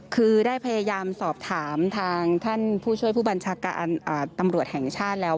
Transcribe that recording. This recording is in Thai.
คือได้พยายามสอบถามทางท่านผู้ช่วยผู้บัญชาการตำรวจแห่งชาติแล้ว